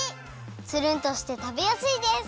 つるんとしてたべやすいです！